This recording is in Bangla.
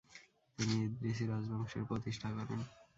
তিনি ইদ্রিসি রাজবংশের প্রতিষ্ঠা করেন।